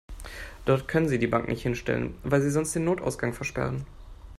Dort können Sie die Bank nicht hinstellen, weil Sie sonst den Notausgang versperren.